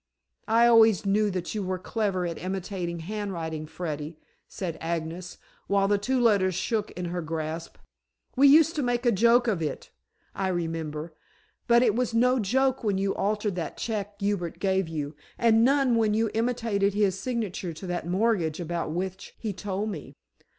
"I always knew that you were clever at imitating handwriting, Freddy," said Agnes, while the two letters shook in her grasp, "we used to make a joke of it, I remember. But it was no joke when you altered that check Hubert gave you, and none when you imitated his signature to that mortgage about which he told me."